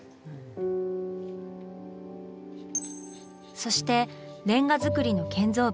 そしてレンガ造りの建造物。